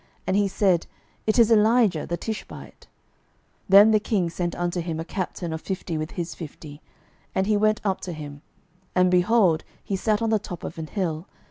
And he said, It is Elijah the Tishbite. 12:001:009 Then the king sent unto him a captain of fifty with his fifty. And he went up to him: and, behold, he sat on the top of an hill.